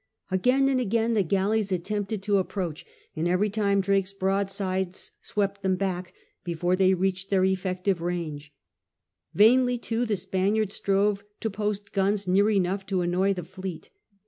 Again and again the galleys attempted to approach, and every time Drake's broadsides swept them back before they reached their eflFective ranga Vainly too the Spaniards strove to post guns near enough to annoy the fleet.